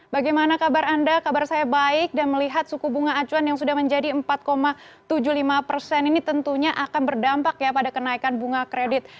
bagaimana kabar anda kabar saya baik dan melihat suku bunga acuan yang sudah menjadi empat tujuh puluh lima persen ini tentunya akan berdampak ya pada kenaikan bunga kredit